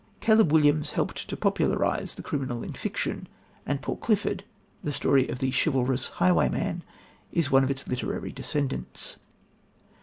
Caleb Williams helped to popularise the criminal in fiction, and Paul Clifford, the story of the chivalrous highwayman, is one of its literary descendants.